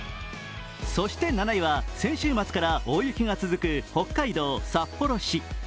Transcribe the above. そして７位は先週末から大雪が続く北海道札幌市。